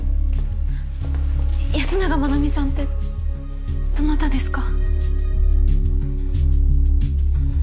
安永真奈美さんってどなたですか？